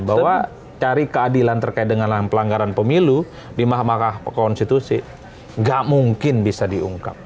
bahwa cari keadilan terkait dengan pelanggaran pemilu di mahkamah konstitusi nggak mungkin bisa diungkap